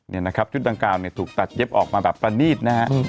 นี่นะครับชุดดังกล่าวเนี่ยถูกตัดเย็บออกมาแบบประนีตนะฮะ